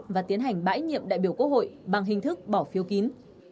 và tiến hành bãi nhiệm đại biểu quốc hội bằng hình thức bỏ phiếu kín